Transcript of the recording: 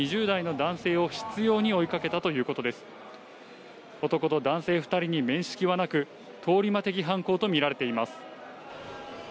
男と男性２人に面識はなく、通り魔的犯行と見られています。